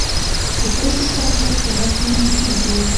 په کور کې ښه اخلاق د هر څه نه مهم دي.